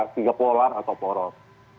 tiga polar atau poros